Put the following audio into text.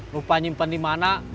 lupa nyimpen dimana